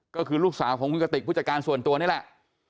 ก็คือลูกสาวของคุณกติกผู้จัดการส่วนตัวนี่แหละ